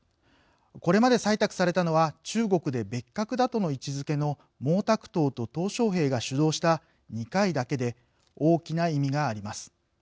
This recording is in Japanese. これまで採択されたのは中国で別格だとの位置づけの毛沢東と、とう小平が主導した２回だけで大きな意味があります。